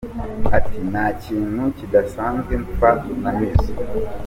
Ati “Nta kintu kidasanzwe mfa na Nizzo.